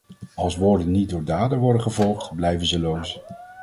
Als woorden niet door daden worden gevolgd blijven ze loos.